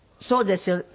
そうですよ。